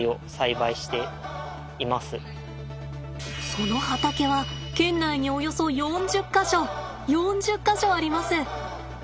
その畑は県内におよそ４０か所４０か所あります。